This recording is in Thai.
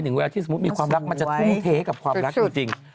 เวลาที่สมมุติมีความรักมันจะทุ่มเทให้กับความรักจริง